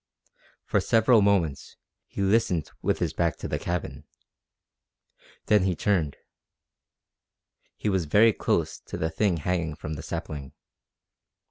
For several moments he listened with his back to the cabin. Then he turned. He was very close to the thing hanging from the sapling.